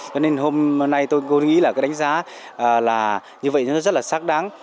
cho nên hôm nay tôi nghĩ là đánh giá như vậy rất là xác đáng